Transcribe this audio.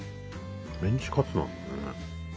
メンチカツなんだね。